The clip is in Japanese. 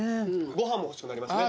ご飯も欲しくなりますね。